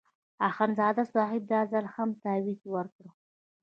اخندزاده صاحب دا ځل هم تاویز ورکړ.